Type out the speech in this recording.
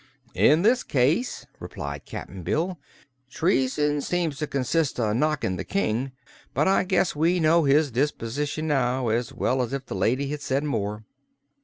"In this case," replied Cap'n Bill, "treason seems to consist of knockin' the King; but I guess we know his disposition now as well as if the lady had said more."